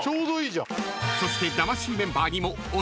［そして］